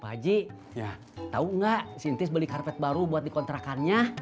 pajik tau gak si intis beli karpet baru buat dikontrakannya